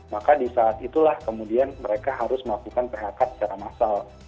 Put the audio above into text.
maka di saat itulah kemudian mereka harus melakukan phk secara massal